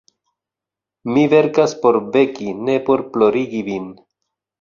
Mi verkas por veki, ne por plorigi vin.